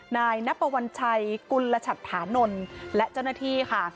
นายนับปวัญชัยกุลชัตถานนท์และเจ้าหน้าที่ค่ะ